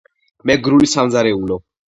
მეგრული სამზარეულო